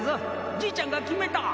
じいちゃんが決めた！